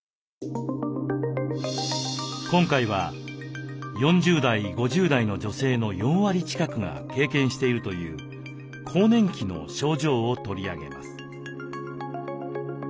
今回は４０代５０代の女性の４割近くが経験しているという更年期の症状を取り上げます。